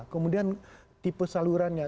kemudian tipe salurannya